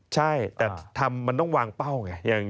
ใช่แต่ทำมันต้องวางเป้าไง